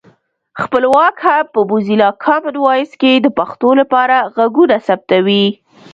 خپلواک هم په موزیلا کامن وایس کې د پښتو لپاره غږونه ثبتوي